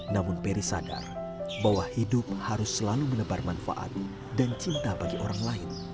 namun peri sadar bahwa hidup harus selalu menebar manfaat dan cinta bagi orang lain